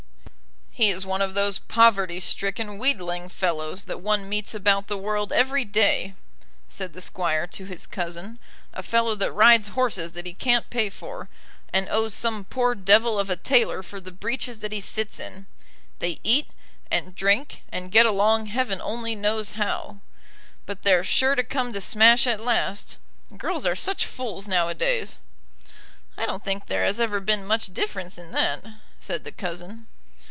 "He is one of those poverty stricken wheedling fellows that one meets about the world every day," said the Squire to his cousin "a fellow that rides horses that he can't pay for, and owes some poor devil of a tailor for the breeches that he sits in. They eat, and drink, and get along heaven only knows how. But they're sure to come to smash at last. Girls are such fools nowadays." "I don't think there has ever been much difference in that," said the cousin.